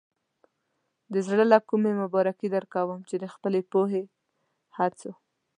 د زړۀ له کومې مبارکي درکوم چې د خپلې پوهې، هڅو.